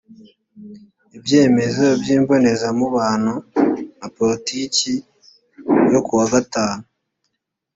ibyemezo by imbonezamubano na politiki yo kuwa gatanu